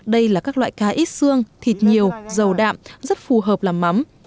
đây là các loại cá ít xương thịt nhiều dầu đạm rất phù hợp làm mắm